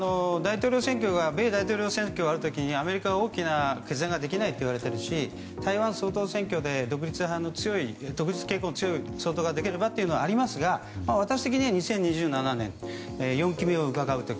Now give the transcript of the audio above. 米大統領選挙がある時にアメリカは大きな決断ができないといわれているし台湾総統選挙で独立傾向の強い総統ができればというのはありますが私的には２０２７年の４期目をうかがう時。